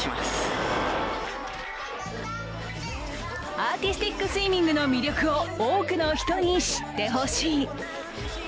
アーティスティックスイミングの魅力を多くの人に知ってほしい。